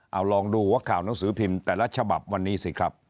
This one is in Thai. เอาลองดูหัวข่าวหนังสือพิมพ์แต่ละฉบับวันนี้สิครับ